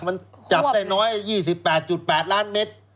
มันจับได้น้อย๒๘๘ล้านเมตร